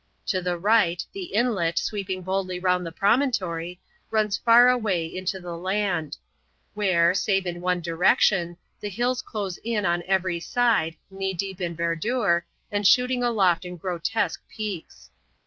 To the right, the inlet, sweeping boldly round the promontory, runs far away into the land; where, save in one direction, the hills close in on every side, krfee deep in verdure, and shooting aloft in grotesque peaks.